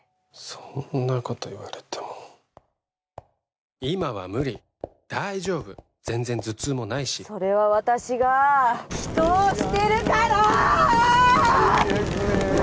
そんなこと言われても「今は無理大丈夫」「ぜんぜん頭痛もないし」それは私が祈とうしてるからっ！